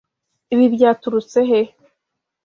Ibi byaturutse he?